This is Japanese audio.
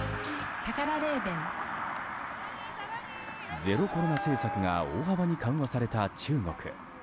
ゼロコロナ政策が大幅に緩和された中国。